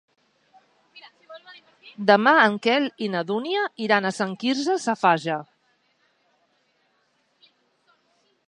Demà en Quel i na Dúnia iran a Sant Quirze Safaja.